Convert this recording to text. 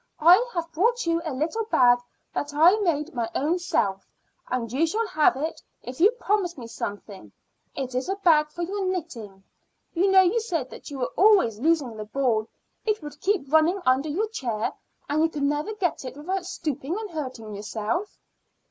I have brought you a little bag that I made my own self, and you shall have it if you promise me something. It is a bag for your knitting. You know you said that you were always losing the ball; it would keep running under your chair, and you could never get it without stooping and hurting yourself."